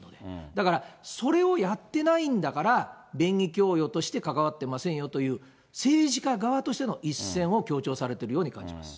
だから、それをやってないんだから、便宜供与として関わってませんよという、政治家側としての一線を強調されてるように感じます。